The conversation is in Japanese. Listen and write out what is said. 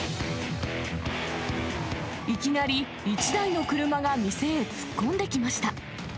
いきなり、一台の車が店へ突っ込んできました。